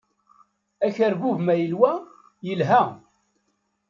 Akerbub ma yelwa yelha.